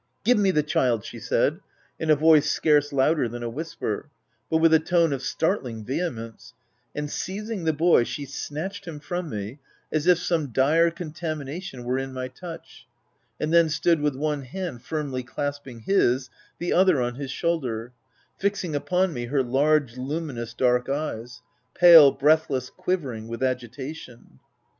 " Give me the child I" She said in a voice scarce louder than a whisper, but with a tone of startling vehemence, and, seizing the boy, she snatched him from me, as if some dire contamination were in my touch, 36 THE TENANT and then stood with one hand firmly clasping his, the other on his shoulder, fixing upon me her large, luminous, dark eyes— pale, breathless, quivering with agitation.